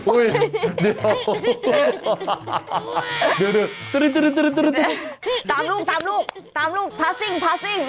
อุ๊ยเดี๋ยวตามลูกตามลูกตามลูกตามลูกพัสสิ่งพัสสิ่ง